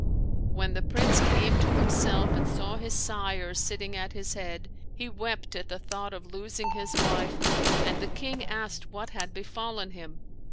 [FN#552] When the Prince came to himself and saw his sire sitting at his head, he wept at the thought of losing his wife and the King asked what had befallen him.